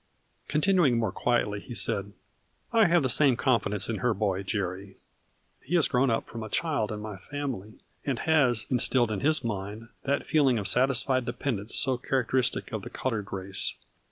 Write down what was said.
Continuing more quietly, he said :" I have the same confidence in her boy, Jerry. He has grown up from a child in my family, and has, instilled in his mind, that feeling of satisfied dependence so charac teristic of the colored race.